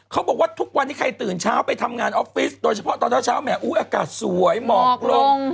เขาบอกว่าทุกวันนี้ใครตื่นเช้าไปทำงานออฟฟิศโดยเฉพาะตอนเช้าแหมออากาศสวยหมอกลง